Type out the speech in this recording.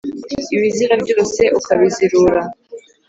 ibizira byose ukabizirura,